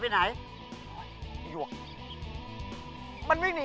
ใครนี่ใครวะเนี่ย